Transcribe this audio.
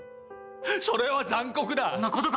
それは残酷だ！